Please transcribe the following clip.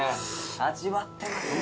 味わってますね。